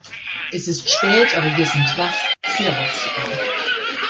Es ist spät, aber wir sind wach, sehr wach sogar.